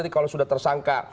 kalau sudah tersangka